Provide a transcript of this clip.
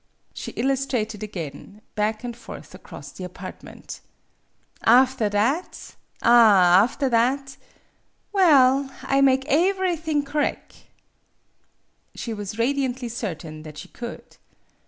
She illustrated again back and forth across the apartment. "After that ah after thai well I make aeverything correc'." She was radiantly certain that she could.